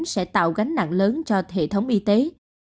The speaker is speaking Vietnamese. sẽ tạo gánh nặng lớn cho hệ thống y tế